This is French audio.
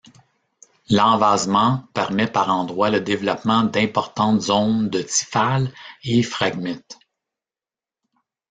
L'envasement permet par endroits le développement d'importantes zones de Typhales et Phragmites.